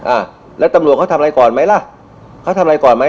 อ่ะแล้วตำรวจเขาทำอะไรก่อนไหมล่ะเขาทำอะไรก่อนไหม